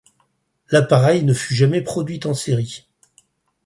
L'appareil ne fut jamais produit en série.